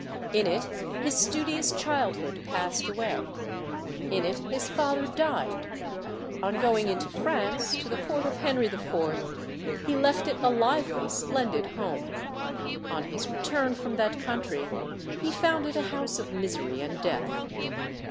In it his studious childhood passed away. In it his father died. On going into France, to the court of Henry IV., he left it a lively, splendid home; on his return from that country, he found it a house of misery and death.